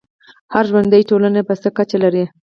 هره ژوندی ټولنه یې په څه کچه لري.